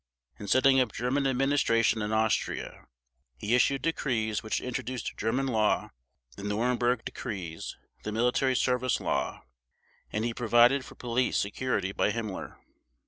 In setting up German administration in Austria, he issued decrees which introduced German law, the Nuremberg decrees, the Military Service Law, and he provided for police security by Himmler.